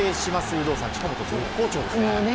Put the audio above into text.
有働さん、近本絶好調ですね。